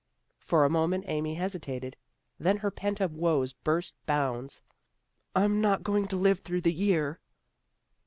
For a moment Amy hesitated. Then her pent up woes burst bounds. " I'm not going to live through the year."